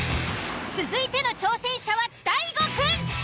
続いての挑戦者は大悟くん。